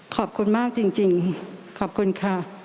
ขอบคุณมากจริงขอบคุณค่ะ